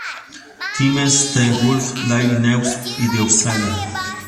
Times, The Gulf Daily News y The Australian.